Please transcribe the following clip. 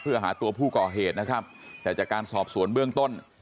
เพื่อหาตัวผู้ก่อเหตุนะครับแต่จากการสอบสวนเบื้องต้น